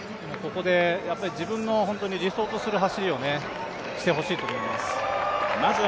ここで自分の理想とする走りをしてほしいと思います。